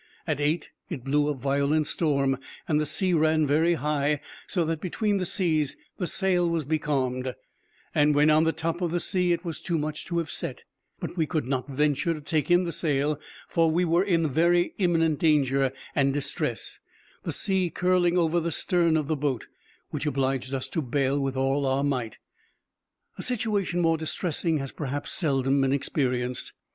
At eight it blew a violent storm, and the sea ran very high, so that between the seas the sail was becalmed, and when on the top of the sea, it was too much to have set; but we could not venture to take in the sail, for we were in very imminent danger and distress, the sea curling over the stern of the boat, which obliged us to bail with all our might. A situation more distressing has perhaps seldom been experienced.